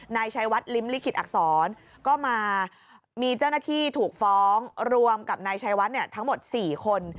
นายชัยวัดลิ้มลิขิตอักษรก็มามีเจ้าหน้าที่ถูกฟ้องรวมกับนายชัยวัดทั้งหมด๔คน